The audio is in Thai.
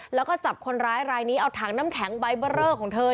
แล้วก็จับคนร้ายรายนี้เอาถังน้ำแข็งใบเบอร์เรอของเธอ